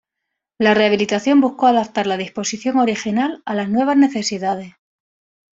La rehabilitación buscó adaptar la disposición original a las nuevas necesidades.